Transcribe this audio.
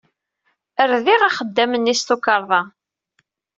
Rdiɣ axeddam-nni s tukerḍa.